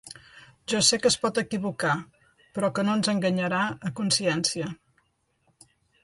Jo sé que es pot equivocar, però que no ens enganyarà a consciència.